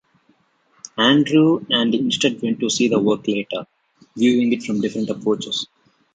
Andrew and instead went to see the work later, viewing it from different approaches.